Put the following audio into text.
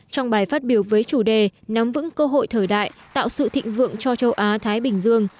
trong bài phát biểu với chủ đề nắm vững cơ hội thời đại tạo sự thịnh vượng cho châu á thái bình dương